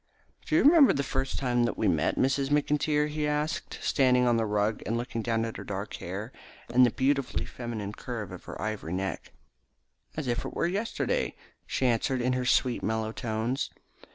"Do you remember the first time that we met, Miss McIntyre?" he asked, standing on the rug and looking down at her dark hair, and the beautifully feminine curve of her ivory neck. "As if it were yesterday," she answered in her sweet mellow tones.